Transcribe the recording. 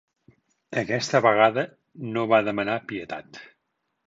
Aquesta vegada no va demanar pietat.